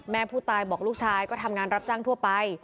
แม่ผู้ตายบอกลูกชายก็ทำงานรับจ้างทั่วไป